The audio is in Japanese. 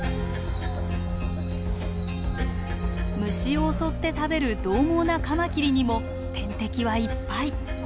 虫を襲って食べるどう猛なカマキリにも天敵はいっぱい。